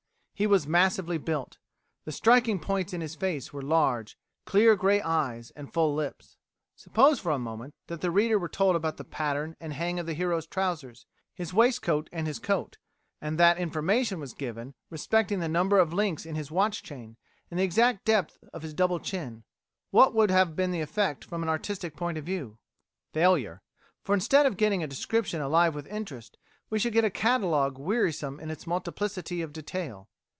He was massively built. The striking points in his face were large, clear, grey eyes, and full lips." Suppose for a moment that the reader were told about the pattern and "hang" of the hero's trousers, his waistcoat and his coat, and that information was given respecting the number of links in his watch chain, and the exact depth of his double chin what would have been the effect from an artistic point of view? Failure for instead of getting a description alive with interest, we should get a catalogue wearisome in its multiplicity of detail.